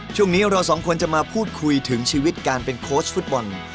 ช่วงนี้เราสองคนจะมาพูดคุยถึงชีวิตการเป็นโค้ชฟุตบอล